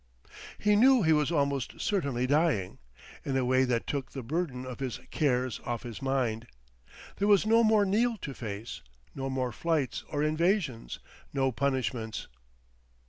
He knew he was almost certainly dying. In a way that took the burthen of his cares off his mind. There was no more Neal to face, no more flights or evasions, no punishments.